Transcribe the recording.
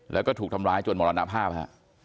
แล้วก็ถูกทำร้ายจนมรณภาพฮะ